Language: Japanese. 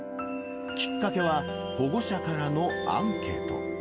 きっかけは、保護者からのアンケート。